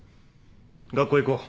学校行こう。